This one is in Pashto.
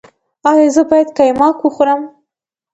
ایا زه باید قیماق وخورم؟